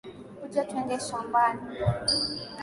Kuja tuende shambani